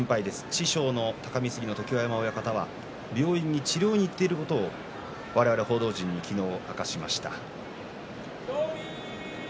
師匠の隆三杉の常盤山親方は病院で治療に行っていることを我々報道陣に明かしました。